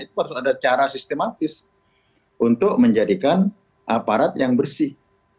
itu harus ada cara sistematis untuk menjadikan aparat yang bersih